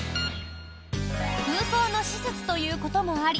空港の施設ということもあり